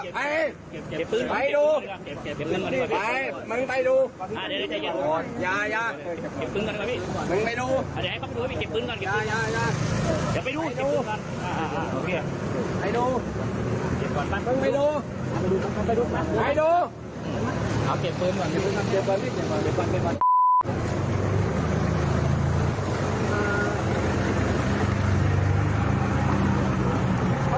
เดี๋ยวไปรีบอย่ามาเดี๋ยวไปรีบอย่ามา